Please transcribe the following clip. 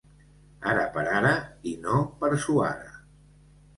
Ara per ara i no per suara.